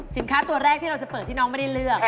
ตัวแรกที่เราจะเปิดที่น้องไม่ได้เลือก